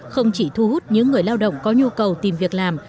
không chỉ thu hút những người lao động có nhu cầu tìm việc làm